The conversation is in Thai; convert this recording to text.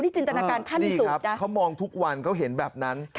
นี่จินตนาการท่านที่สุดดีครับเขามองทุกวันเขาเห็นแบบนั้น